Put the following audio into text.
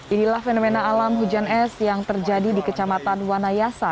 inilah fenomena alam hujan es yang terjadi di kecamatan wanayasa